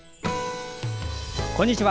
こんにちは。